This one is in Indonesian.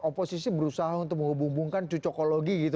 oposisi berusaha untuk menghubungkan cucokologi gitu